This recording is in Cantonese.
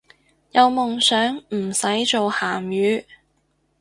有夢想唔使做鹹魚